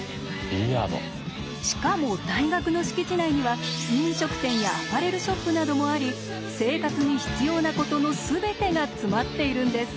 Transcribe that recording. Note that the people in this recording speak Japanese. しかも大学の敷地内には飲食店やアパレルショップなどもあり生活に必要なことの全てが詰まっているんです。